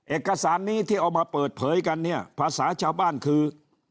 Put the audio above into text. เอกสารนี้ที่เอามาเปิดเผยกันเนี่ยภาษาชาวบ้านคือ